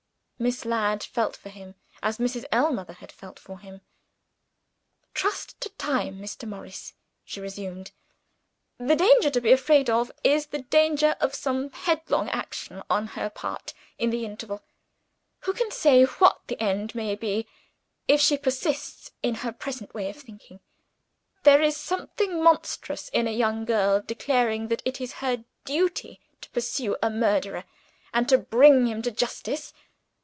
Miss Ladd felt for him, as Mrs. Ellmother had felt for him. "Trust to time, Mr. Morris," she resumed. "The danger to be afraid of is the danger of some headlong action, on her part, in the interval. Who can say what the end may be, if she persists in her present way of thinking? There is something monstrous, in a young girl declaring that it is her duty to pursue a murderer, and to bring him to justice!